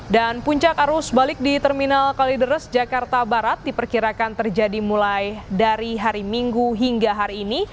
dan puncak arus balik di terminal kalideres jakarta barat diperkirakan terjadi mulai dari hari minggu hingga hari ini